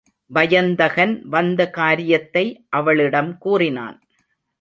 வயந்தகன் வந்த காரியத்தை அவளிடம் கூறினான்.